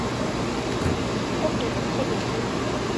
ওকে বুঝে গেছি।